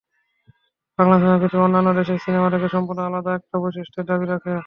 Bangla cinema পৃথিবীর অন্যান্য দেশের সিনেমা থেকে সম্পূর্ণ আলাদা একটা বৈশিষ্ট্যের দাবি রাখে।